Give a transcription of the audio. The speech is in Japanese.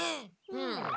うん。